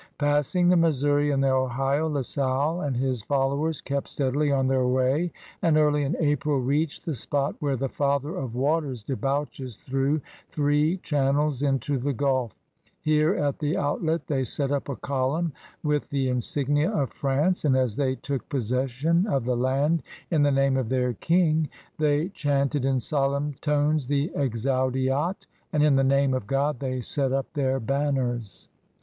Passing the Missouri and the Ohio, La Salle and his follow ers kept steadily on their way and early in April reached the spot where the Father of Waters debouches through three channels into the Gulf. Here at the outlet they set up a column with the insignia of France, and, as they took possession lA SALLE AND TBDB VOYAGEUBS 109 of the land in the name of their £jng» they chanted in solemn tones the Exatutiat, and in the name of Grod they set up their banners.